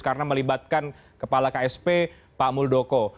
karena melibatkan kepala ksp pak muldoko